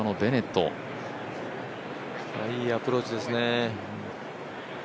いいアプローチですね。